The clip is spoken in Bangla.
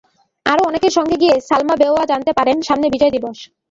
আরও অনেকের সঙ্গে গিয়ে সালমা বেওয়া জানতে পারেন, সামনে বিজয় দিবস।